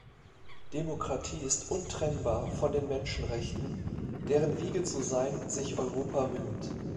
Demokratie ist untrennbar von den Menschenrechten, deren Wiege zu sein sich Europa rühmt.